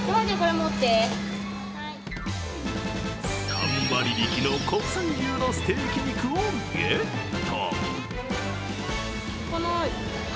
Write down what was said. ３割引きの国産牛のステーキ肉をゲット。